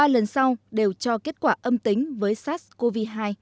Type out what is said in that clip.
ba lần sau đều cho kết quả âm tính với sars cov hai